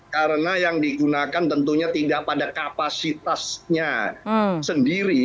karena yang digunakan tentunya tidak pada kapasitasnya sendiri